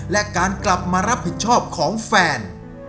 และการกลับมารับผิดชอบของแฟน